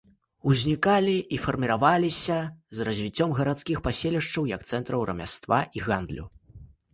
Узнікалі і фарміраваліся з развіццём гарадскіх паселішчаў як цэнтраў рамяства і гандлю.